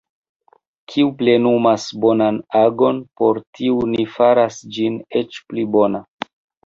Kiu plenumas bonan agon, por tiu Ni faras ĝin eĉ pli bona.